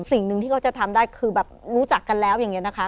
สิ่งหนึ่งที่เขาจะทำได้คือแบบรู้จักกันแล้วอย่างนี้นะคะ